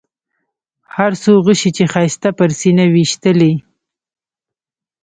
هر څو غشي چې ښایسته پر سینه ویشتلي.